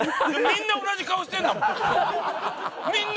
みんな同じ顔してんだもん。